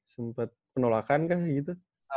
sempet penolakan kah gitu